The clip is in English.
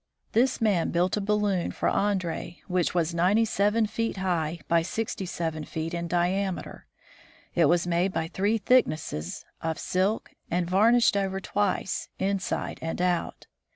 This man built a balloon for Andree 149 150 THE FROZEN NORTH which was ninety seven feet high by sixty seven feet in diameter. It was made of three thicknesses of silk, and varnished over twice, inside and out.